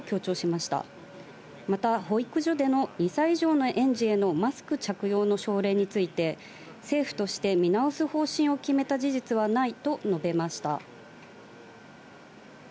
また保育所での２歳以上の園児へのマスク着用の奨励について、政府として見直す方針を決めた事実はないと述べました。